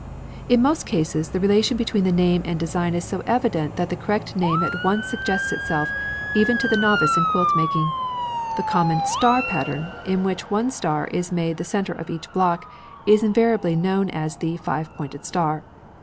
In most cases the relation between name and design is so evident that the correct name at once suggests itself, even to the novice in quilt making. The common "star" pattern, in which one star is made the centre of each block, is invariably known as the "Five pointed Star."